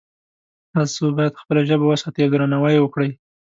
تاسو باید خپله ژبه وساتئ او درناوی یې وکړئ